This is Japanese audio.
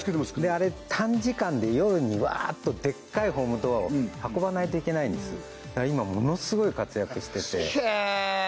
あれ短時間で夜にわーっとでっかいホームドアを運ばないといけないんですだから今ものスゴい活躍しててへえ！